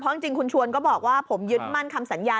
จริงคุณชวนก็บอกว่าผมยึดมั่นคำสัญญา